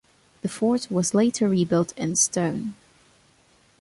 The fort was later rebuilt in stone.